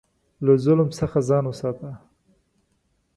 له ظلم څخه ځان وساته.